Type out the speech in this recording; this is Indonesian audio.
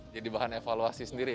jadi bahan evaluasi sendiri ya